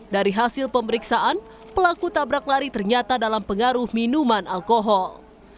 dari hasil pemeriksaan pelaku tabrak lari ternyata dalam pengaruh minuman alkohol